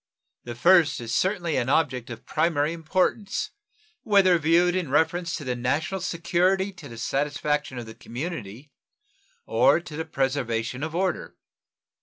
The first is certainly an object of primary importance whether viewed in reference to the national security to the satisfaction of the community or to the preservation of order.